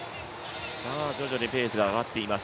徐々にペースが上がっています。